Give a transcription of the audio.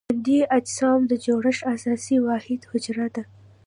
ژوندي اجسامو د جوړښت اساسي واحد حجره ده.